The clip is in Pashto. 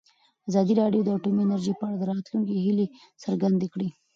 ازادي راډیو د اټومي انرژي په اړه د راتلونکي هیلې څرګندې کړې.